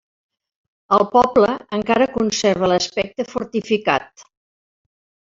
El poble encara conserva l'aspecte fortificat.